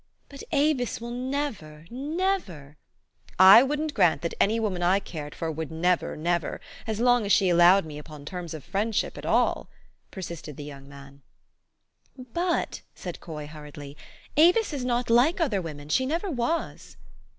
" But Avis will never, never "" I wouldn't grant that any woman I cared for would never, never, as long as she allowed me upon terms of friendship at all," persisted the young man. THE STORY OF AVIS. 27 "But," said Coy hurriedly, "Avis is not like other women. She never was."